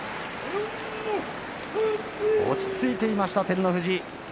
落ち着いていました、照ノ富士。